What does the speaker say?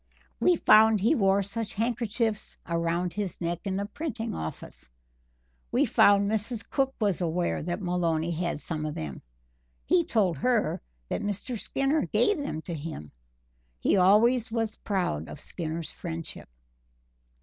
We found he wore such handkerchiefs around his neck in the printing office. We found Mrs. Cook was aware that Maloney had some of them he told her that Mr. Skinner gave them to him. He always was proud of Skinner's friendship."